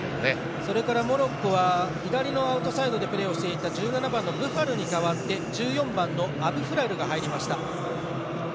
それからモロッコは左のアウトサイドでプレーをしていた１７番、ブファルに代わって１４番のアブフラルが入りました。